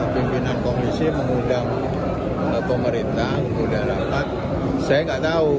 pimpinan komisi mengundang pemerintah sudah rapat saya nggak tahu